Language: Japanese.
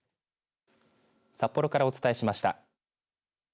札幌からお伝えしました。